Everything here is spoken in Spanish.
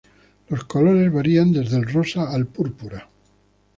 Los colores varían desde el rosa al púrpura.